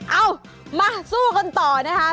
เอามาสู้กันต่อนะคะ